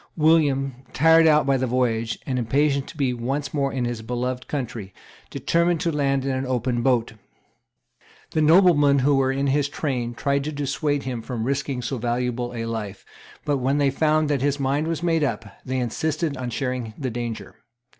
William, tired out by the voyage, and impatient to be once more in his beloved country, determined to land in an open boat. The noblemen who were in his train tried to dissuade him from risking so valuable a life; but, when they found that his mind was made up, they insisted on sharing the danger.